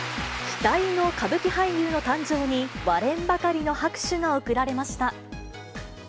期待の歌舞伎俳優の誕生に、割れんばかりの拍手が送られました。